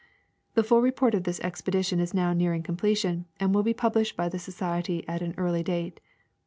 The full report of this expedition is now nearing completion, and will be published by the Society at an early date.